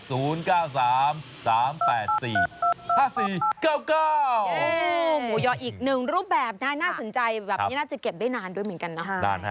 โอ้โหยอดอีกหนึ่งรูปแบบนะน่าสนใจแบบนี้น่าจะเก็บได้นานด้วยเหมือนกันนะ